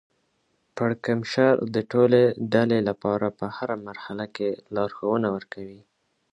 پړکمشر د ټولې ډلې لپاره په هره مرحله کې لارښوونه ورکوي.